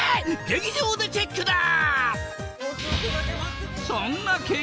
劇場でチェックだ！